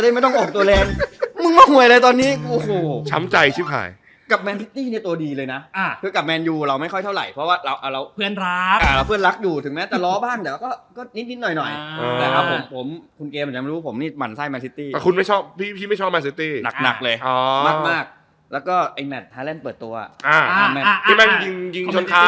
พอต้นฤทธุกาหรอเนี่ยถ้าใจจำได้เนี่ยลีคลูเหมือนจะชนะซิตตี้